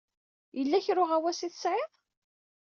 Yella kra n uɣawas ay tesɛiḍ?